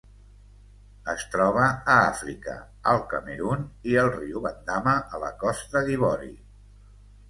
Es troba a Àfrica: el Camerun i el riu Bandama a la Costa d'Ivori.